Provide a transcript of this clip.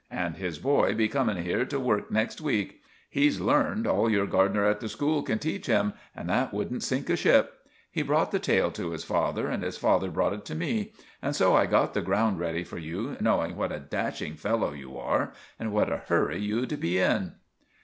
And his boy be coming here to work next week. He's learned all your gardener at the school can teach him, and that wouldn't sink a ship. He brought the tale to his father, and his father brought it to me; and so I got the ground ready for you, knowing what a dashing fellow you are, and what a hurry you'd be in."